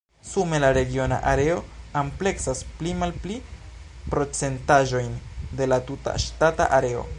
Sume la regiona areo ampleksas pli-malpli procentaĵojn de la tuta ŝtata areo.